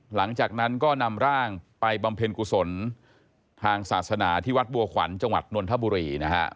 หลังจากนั้นก็นำร่างไปบำเพ็ญกุศลทางศาสนาที่วัดบัวขวัญจังหวัดนนทบุรีนะฮะ